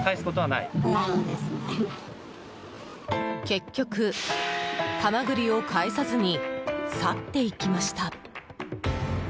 結局、ハマグリを返さずに去っていきました。